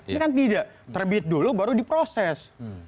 ini kan tidak terbit dulu baru diproses